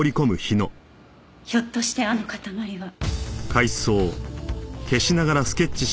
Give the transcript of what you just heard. ひょっとしてあの塊は。